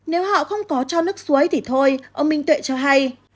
nếu họ không có cho nước suối thì thôi ông minh tuệ cho hay